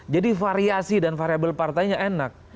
jadi variasi dan variabel partainya enak